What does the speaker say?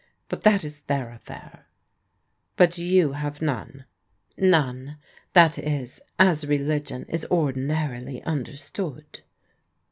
But that is their affair." " But you have none? "" None. That is as religion is ordinarily understood."